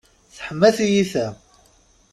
Teḥma tiyita.